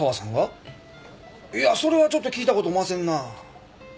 いやそれはちょっと聞いたことおませんな。